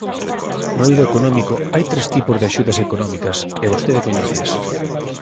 No eido económico, hai tres tipos de axudas económicas, e vostede coñéceas.